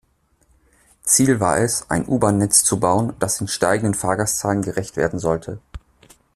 Ziel war es, ein U-Bahn-Netz zu bauen, das den steigenden Fahrgastzahlen gerecht werden sollte.